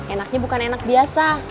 enaknya bukan enak biasa